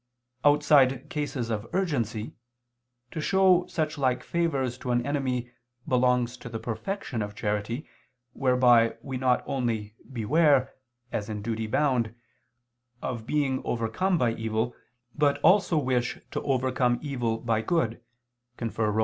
Outside cases of urgency, to show such like favors to an enemy belongs to the perfection of charity, whereby we not only beware, as in duty bound, of being overcome by evil, but also wish to overcome evil by good [*Rom.